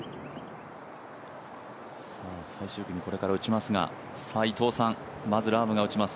最終組、これから打ちますが伊藤さん、まずラームが打ちます